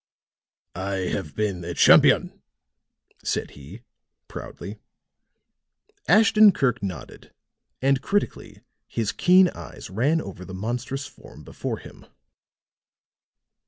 "I have been a champion," said he proudly. Ashton Kirk nodded, and critically his keen eyes ran over the monstrous form before him.